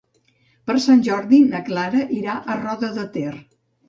Per Sant Jordi na Clara irà a Roda de Ter.